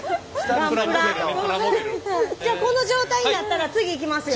じゃあこの状態になったら次行きますよ。